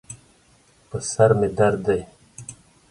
په سر مې درد دی